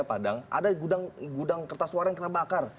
ada gudang kertas suara yang kena bakar